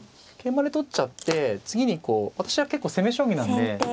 桂馬で取っちゃって次にこう私は結構攻め将棋なんで。